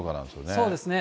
そうですね。